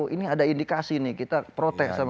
ini ada indikasi nih kita protes